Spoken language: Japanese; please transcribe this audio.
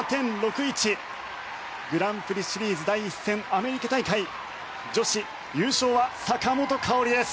グランプリシリーズ第１戦アメリカ大会女子優勝は坂本花織です！